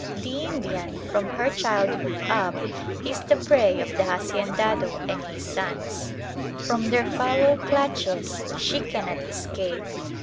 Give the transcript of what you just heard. The Indian from her childhood up is the prey of the haciendado and his sons. From their foul clutches she cannot escape.